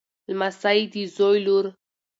لمسۍ د زوی لور.